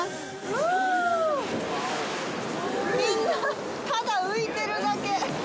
ふぅみんな、ただ浮いてるだけ。